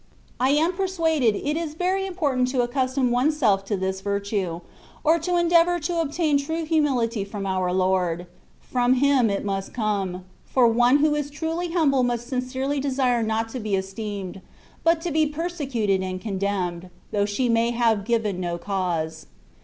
I am persuaded it is very important to accustom one's self to this virtue, or to endea vour to obtain true humility from our Lord ; from Him it must come, for one who is truly humble must sincerely desire not to be esteemed, but to be persecuted and condemned, though she may have given no cause.